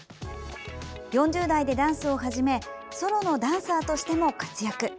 ４０代でダンスを始めソロのダンサーとしても活躍。